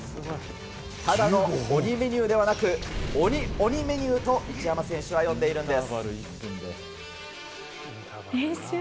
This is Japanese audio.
ただの鬼メニューではなく鬼鬼メニューと一山選手が呼んでいるんです。